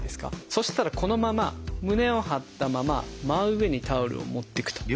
そしたらこのまま胸を張ったまま真上にタオルを持っていくと。